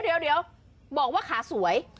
เดี๋ยวเดี๋ยวบอกว่าขาสวย